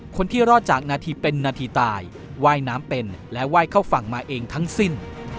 คนที่รอดจากนาทีเป็นนาทีตายว่ายน้ำเป็นและไหว้เข้าฝั่งมาเองทั้งสิ้น